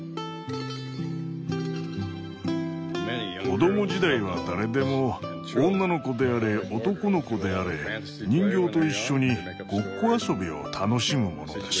子ども時代は誰でも女の子であれ男の子であれ人形と一緒にごっこ遊びを楽しむものです。